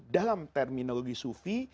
dalam terminologi sufi